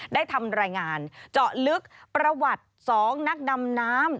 ได้ทำรายงานเจาะลึกประวัติ๒นักดำน้ำ